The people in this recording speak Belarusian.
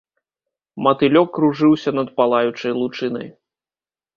Матылёк кружыўся над палаючай лучынай.